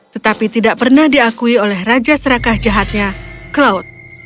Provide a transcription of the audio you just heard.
tetapi tidak pernah diakui oleh raja serakah jahatnya cloud